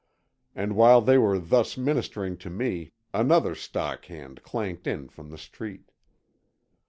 And while they were thus ministering to me another stockhand clanked in from the street.